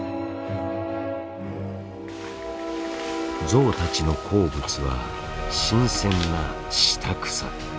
ゾウたちの好物は新鮮な下草。